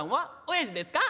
「おやじですか？